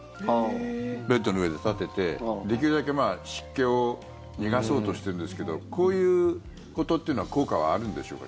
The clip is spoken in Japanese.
ベッドの上で立ててできるだけ湿気を逃がそうとしてるんですけどこういうことっていうのは効果はあるんでしょうか。